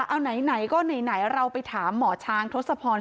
เอาไหนก็ไหนเราไปถามหมอช้างทศพร